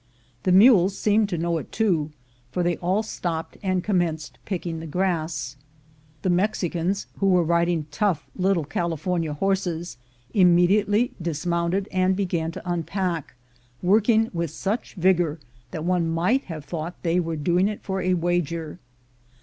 The mules seemed to know it too, for they all stopped and commenced picking the grass. The Mexicans, who were riding tough little Californian horses, im mediately dismounted and began to unpack, working with such vigor that one might have thought they were doing it for a wager.